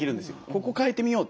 ここ変えてみよう。